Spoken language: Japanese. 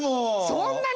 そんなに！？